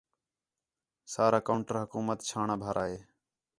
سارا کاؤنٹر حکومت چھاݨاں بھارا ہے